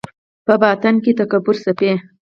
په باطن کې تفکر ځپي